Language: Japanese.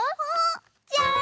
じゃん！